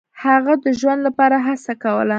هغه د ژوند لپاره هڅه کوله.